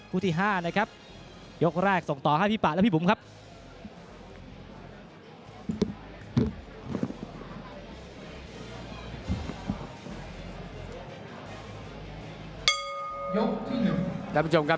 ครับครับครับครับครับครับครับครับครับครับครับครับ